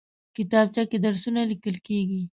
کتابچه کې درسونه لیکل کېږي